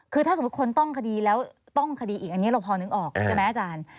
คือถ้าสมมุติคนต้องคดีแล้วต้องคดีอีกอันนี้เราพอนึกออกใช่ไหมอาจารย์